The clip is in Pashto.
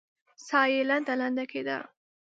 ساه يې لنډه لنډه کېده.